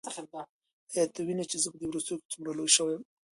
ایا ته وینې چې زه په دې وروستیو کې څومره لوی شوی یم؟